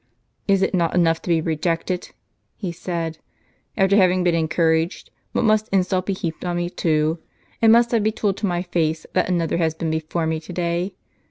" Is it not enough to be rejected," he said, " after having been encouraged, but must insult be heaped on me too ? and must I be told to my face that another has been before me to day?